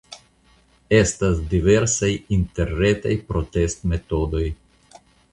Estas diversaj interretaj protestmetodoj.